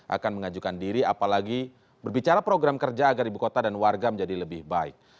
akan mengajukan diri apalagi berbicara program kerja agar ibu kota dan warga menjadi lebih baik